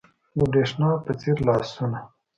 د برېښنا په څیر لاسونه